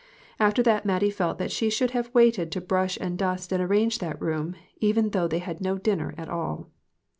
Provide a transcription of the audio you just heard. After that Mattie felt that she should have waited to brush and dust and arrange that room, even though they had no dinner at all